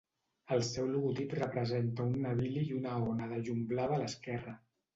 El seu logotip representa un navili i una ona de llum blava a l'esquerra.